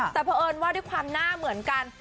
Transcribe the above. แต่เพราะเอิญว่าด้วยความหน้าเหมือนกัน